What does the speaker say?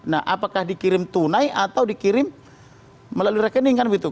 nah apakah dikirim tunai atau dikirim melalui rekening kan begitu